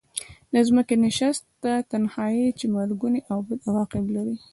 د ځمکې نشست نه تنها چې مرګوني او بد عواقب لري.